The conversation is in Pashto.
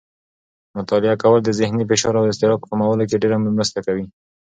مطالعه کول د ذهني فشار او اضطراب په کمولو کې ډېره مرسته کوي.